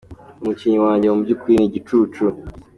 Umukinnyi wanjye mu by'ukuri ni igicucu.